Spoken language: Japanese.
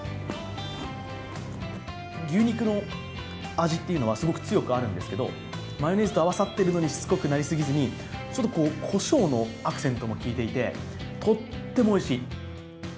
牛肉の味っていうのはすごく強くあるんですけどマヨネーズと合わさっているのに、しつこくなりすぎずにこしょうのアクセントも効いていて、とってもおいしい。